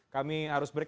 kami harus break